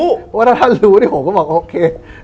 เพราะว่าถ้าท่านรู้ผมก็บอกโอเค